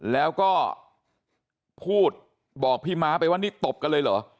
แล้วก็พูดบอกพี่ม้าไปว่านี่ตบกันเลยเหรอ